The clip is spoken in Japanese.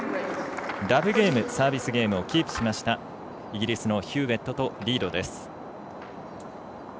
ラブゲーム、サービスゲームをキープしたイギリスのヒューウェットとリードです。